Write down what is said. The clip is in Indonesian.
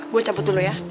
gue cabut dulu ya